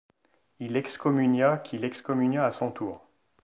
Il excommunia qui l'excommunia à son tour.